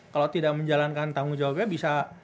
kalau tidak menjalankan tanggung jawabnya bisa